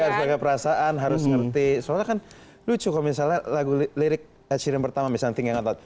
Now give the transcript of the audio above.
iya harus pakai perasaan harus ngerti soalnya kan lucu kalau misalnya lagu lirik ed sheeran pertama misalnya tinggal ngotot